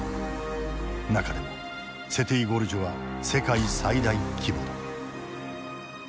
中でもセティ・ゴルジュは世界最大規模だ。